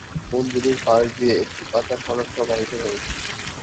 মন্দিরের পাশ দিয়ে একটি পাকা সড়ক প্রবাহিত হয়েছে।